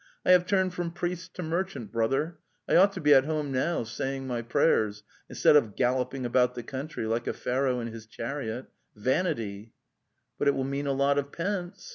"I have turned from priest to merchant, brother. I ought to be at home now saying my prayers, instead of galloping about the country like a Pharaoh in his chaimiots ie iu.) Wamttyal, ' But it will mean a lot of pence!